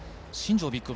新庄